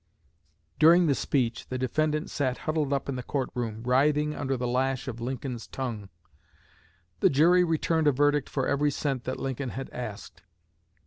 During the speech the defendant sat huddled up in the court room, writhing under the lash of Lincoln's tongue. The jury returned a verdict for every cent that Lincoln had asked.